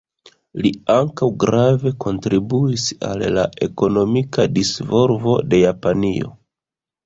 Li ankaŭ grave kontribuis al la ekonomika disvolvo de Japanio.